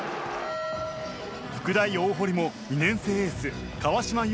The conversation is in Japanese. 福大大濠も、２年生エース川島悠